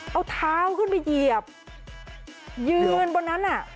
เอาเท้าขึ้นไปเหยียบยืนบนนั้นน่ะ